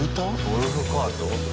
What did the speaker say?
ゴルフカート？